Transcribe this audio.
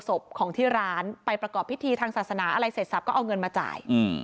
ศพของที่ร้านไปประกอบพิธีทางศาสนาอะไรเสร็จสับก็เอาเงินมาจ่าย